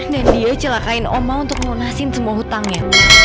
dan dia celakain oma untuk mengunasin semua hutangnya